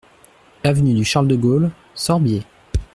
Avenue du Charles de Gaulle, Sorbiers